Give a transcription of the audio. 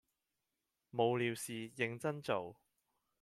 無聊事認真做